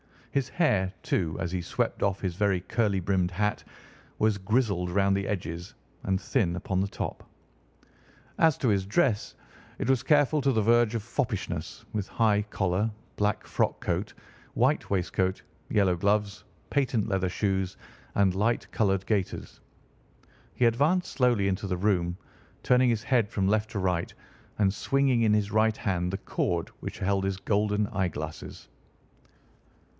His hair, too, as he swept off his very curly brimmed hat, was grizzled round the edges and thin upon the top. As to his dress, it was careful to the verge of foppishness, with high collar, black frock coat, white waistcoat, yellow gloves, patent leather shoes, and light coloured gaiters. He advanced slowly into the room, turning his head from left to right, and swinging in his right hand the cord which held his golden eyeglasses.